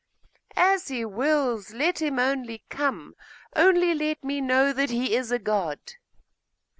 'As he wills! let him only come! only let me know that he is a god.